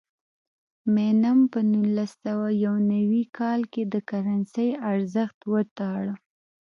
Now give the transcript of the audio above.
مینم په نولس سوه یو نوي کال کې د کرنسۍ ارزښت وتاړه.